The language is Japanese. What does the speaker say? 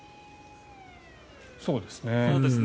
そうですね。